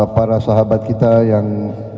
para sahabat kita yang